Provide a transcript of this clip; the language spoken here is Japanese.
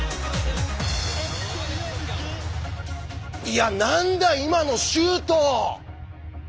いや何だ今のシュート！